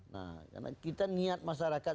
nah karena kita niat masyarakat